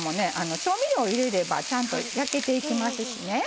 調味料を入れればちゃんと焼けていきますしね。